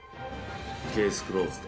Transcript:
ケースクローズド。